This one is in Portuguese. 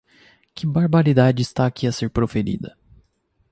Que barbaridade está aqui a ser proferida!